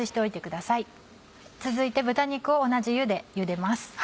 続いて豚肉を同じ湯でゆでます。